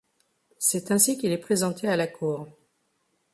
C’est ainsi qu’il est présenté à la cour.